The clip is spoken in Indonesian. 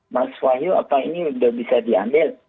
mas wahyu apa ini sudah bisa diambil